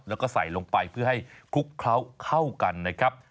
แล้วก็ใส่ลงไปเพื่อให้คลุกเคล้าเข้ากันนะครับ